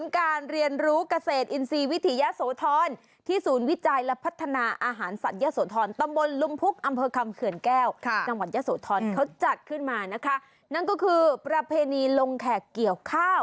เกี่ยวเธอหน้าแม่เกี่ยว